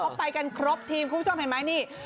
เขาไปกันครบทีมคุณผู้ชมเห็นไหมนี่